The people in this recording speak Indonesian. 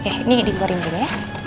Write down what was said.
oke ini diborin dulu ya